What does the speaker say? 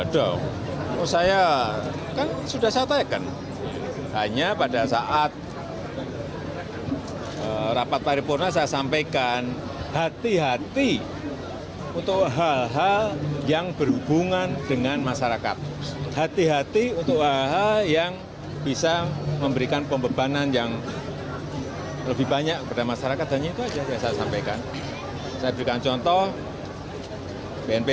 jokowi mengingatkan jajaran tersebut adalah penyelesaian penerimaan negara dalam hal apapun